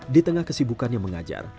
di tengah kesibukan yang mengajar